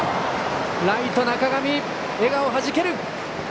ライトの中上、笑顔はじける！